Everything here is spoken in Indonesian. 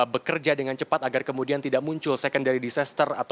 bekerja dengan cepat agar kemudian tidak muncul secondary disaster